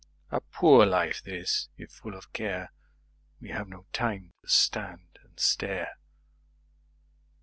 13A poor life this if, full of care,14We have no time to stand and stare.